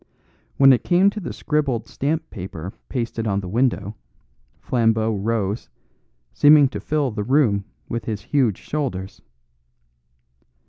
When it came to the scribbled stamp paper pasted on the window, Flambeau rose, seeming to fill the room with his huge shoulders.